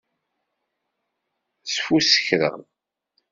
Sfuskreɣ.